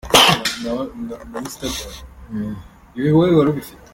Hano Jomo yari kumwe n'umukunzi we Fiona basohokanye.